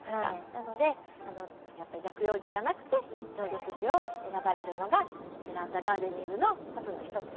なのでやっぱり落葉樹じゃなくて常緑樹を選ばれるのがベランダガーデニングのコツのひとつかなと思います。